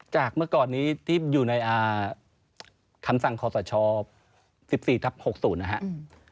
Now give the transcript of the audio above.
เมื่อก่อนนี้ที่อยู่ในคำสั่งขอสช๑๔ทับ๖๐นะครับ